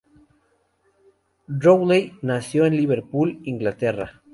Rowley Nació en Liverpool, Inglaterra.